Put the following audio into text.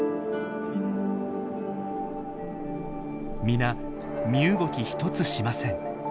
皆身動き一つしません。